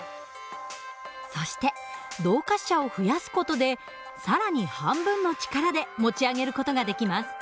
そして動滑車を増やす事で更に半分の力で持ち上げる事ができます。